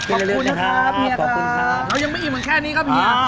ขอบคุณนะครับเฮียครับเรายังไม่อิ่มเหมือนแค่นี้ครับเฮีย